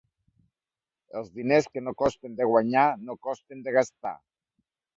Els diners que no costen de guanyar, no costen de gastar.